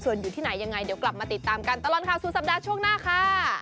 ส่วนอยู่ที่ไหนยังไงเดี๋ยวกลับมาติดตามกันตลอดข่าวสู่สัปดาห์ช่วงหน้าค่ะ